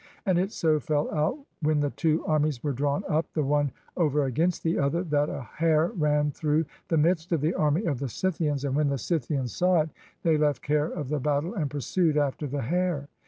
And it so fell out when the two armies were drawn up the one over against the other, that a hare ran through the midst of the army of the Scythians, and when the Scythians saw it they left care of the battle and pursued after the hare.